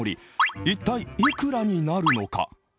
一体いくらになるのか。